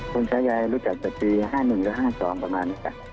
คุณสายยายรู้จักจากปี๕๑หรือ๕๒ประมาณแบบนี้ค่ะ